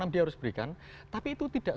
dia harus berikan tapi itu tidak